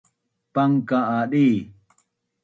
Pangka’ a di